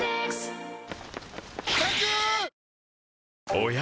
おや？